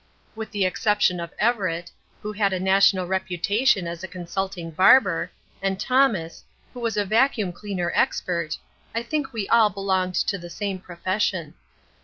With the exception of Everett, who had a national reputation as a Consulting Barber, and Thomas, who was a vacuum cleaner expert, I think we all belonged to the same profession.